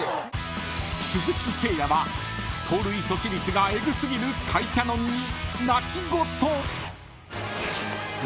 ［鈴木誠也は盗塁阻止率がえぐ過ぎる甲斐キャノンに泣き言］